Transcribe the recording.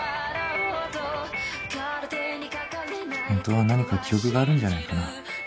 ほんとは何か記憶があるんじゃないかな。